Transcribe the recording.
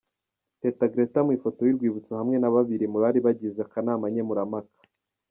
Teta Gretta mu ifoto y'urwibutso hamwe na babiri mu bari bagize akanama nkemurampaka.